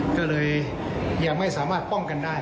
ก็เลยยังไม่สามารถป้องกันได้